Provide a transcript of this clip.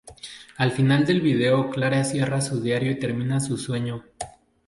Al final del video Clara cierra su diario y termina su sueño.